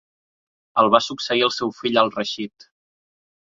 El va succeir el seu fill Al-Rashid.